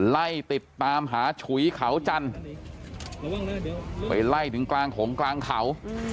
ไล่ติดตามหาฉุยเขาจันทร์ไปไล่ถึงกลางหงกลางเขา